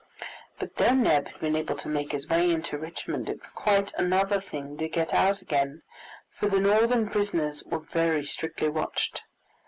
But though Neb had been able to make his way into Richmond, it was quite another thing to get out again, for the Northern prisoners were very strictly watched.